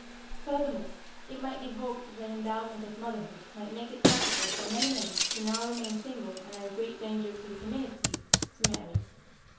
Furthermore, it might be hoped that the endowment of motherhood might make it possible for many men who now remain single and are a great danger to the community, to marry.